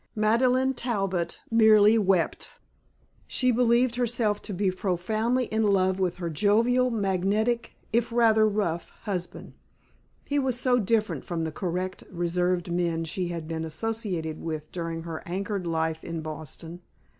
Madeleine Talbot merely wept. She believed herself to be profoundly in love with her jovial magnetic if rather rough husband. He was so different from the correct reserved men she had been associated with during her anchored life in Boston.